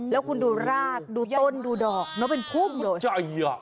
แล้วคุณดูรากดูต้นดูดอกเหมือนเป็นภูมิเลย